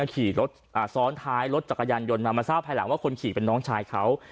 ขี่รถซ้อนท้ายรถจักรยานยนต์มามาทราบภายหลังว่าคนขี่เป็นน้องชายเขา